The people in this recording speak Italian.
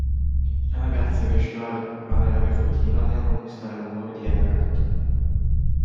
La ragazza riuscirà a recuperare la refurtiva e a conquistare l'amore di Everett.